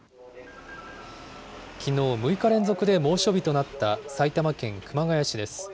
きのう、６日連続で猛暑日となった埼玉県熊谷市です。